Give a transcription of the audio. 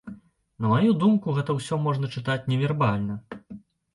На маю думку, гэта ўсё можна чытаць невербальна.